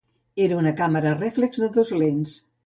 Era una càmera rèflex de dos lents.